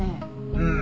うん。